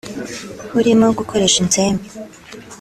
burimo gukoresha inzembe